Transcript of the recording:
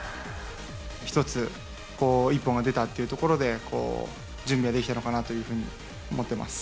１つ１本が出たというところで準備ができたのかなというふうに思っています。